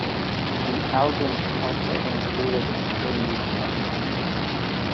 The album's also included three new songs.